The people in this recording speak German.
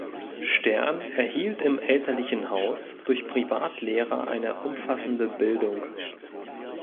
Stern erhielt im elterlichen Haus durch Privatlehrer eine umfassende Bildung.